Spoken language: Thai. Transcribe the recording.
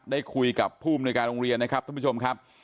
ได้คุยกับผู้อำนวยการโรงเรียนนะครับท่านผู้ชมครับ